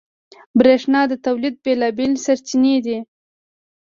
برېښنا د تولید بېلابېل سرچینې لري.